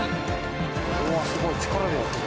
うわすごい力でやってる。